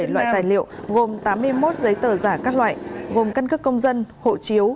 một mươi bảy loại tài liệu gồm tám mươi một giấy tờ giả các loại gồm căn cấp công dân hộ chiếu